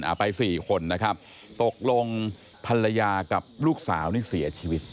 ไปสี่คนนะครับตกลงภรรยากับลูกสาวนี่เสียชีวิต